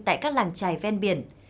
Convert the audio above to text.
tại các làng trài ven biển